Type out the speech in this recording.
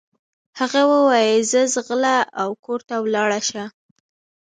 هغه وويل ځه ځغله او کور ته ولاړه شه.